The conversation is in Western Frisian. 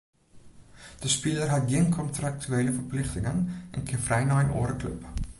De spiler hat gjin kontraktuele ferplichtingen en kin frij nei in oare klup.